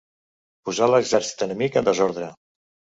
Posar l'exèrcit enemic en desordre.